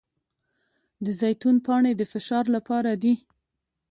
د زیتون پاڼې د فشار لپاره دي.